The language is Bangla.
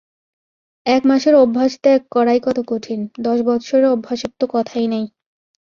এক মাসের অভ্যাস ত্যাগ করাই কত কঠিন, দশ বৎসরের অভ্যাসের তো কথাই নাই।